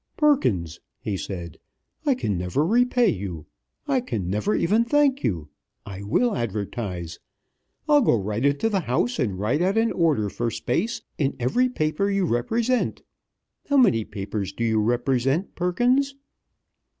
"Perkins," he said, "I can never repay you. I can never even thank you. I will advertise. I'll go right into the house and write out an order for space in every paper you represent. How many papers do you represent, Perkins?"